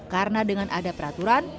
karena dengan ada peraturan